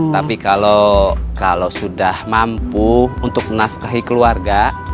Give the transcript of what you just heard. tapi kalau sudah mampu untuk menafkahi keluarga